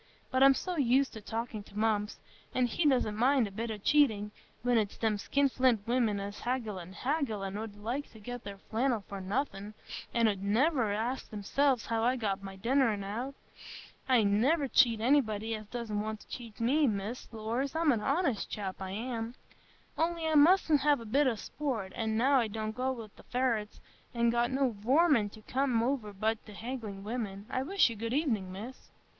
But I'm so used to talking to Mumps, an' he doesn't mind a bit o' cheating, when it's them skinflint women, as haggle an' haggle, an' 'ud like to get their flannel for nothing, an' 'ud niver ask theirselves how I got my dinner out on't. I niver cheat anybody as doesn't want to cheat me, Miss,—lors, I'm a honest chap, I am; only I must hev a bit o' sport, an' now I don't go wi' th' ferrets, I'n got no varmint to come over but them haggling women. I wish you good evening, Miss."